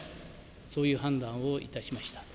そういう判断をいたしました。